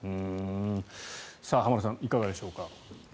浜田さん、いかがでしょうか。